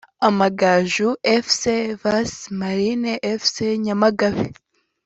Amagaju Fc vs Marines Fc (Nyamagabe)